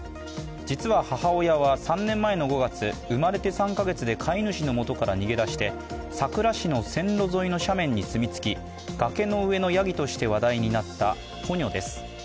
実は母親は３年前の５月、生まれて３か月で飼い主のもとから逃げ出して、佐倉市の線路沿いの斜面に住み着き、崖の上のやぎとして話題になったポニョです。